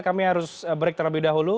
kami harus break terlebih dahulu